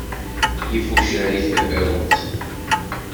Yif ucerrig tafawet.